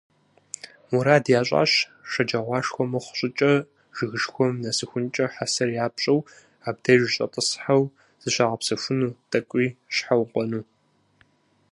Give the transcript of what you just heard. Мурад ящӀащ, шэджагъуашхэ мыхъу щӀыкӀэ жыгышхуэм нэсыхункӀэ хьэсэр япщӀэу, абдеж щӀэтӀысхьэу зыщагъэпсэхуну, тӀэкӀуи щхьэукъуэну.